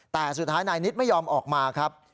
แต่สุดท้ายนายนิดไม่ยอมออกมาครับ